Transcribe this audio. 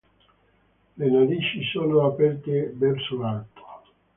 Le narici sono aperte verso l'alto.